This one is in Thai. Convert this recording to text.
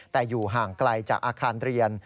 แต่อยู่ห่างไกลจากอาคารเรียน